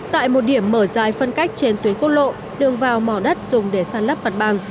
tại một điểm mở dài phân cách trên tuyến quốc lộ đường vào mỏ đất dùng để sàn lấp mặt bằng